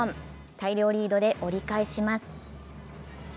大量リードで折り返します。